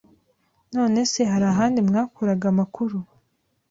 None se hari ahandi mwakuraga amakuru?